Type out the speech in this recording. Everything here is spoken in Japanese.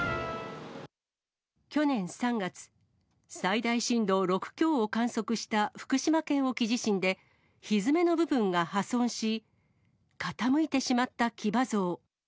去年３月、最大震度６強を観測した福島県沖地震で、ひづめの部分が破損し、傾いてしまった騎馬像。